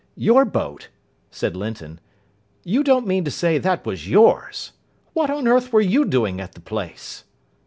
"Your boat!" said Linton. "You don't mean to say that was yours! What on earth were you doing at the place?"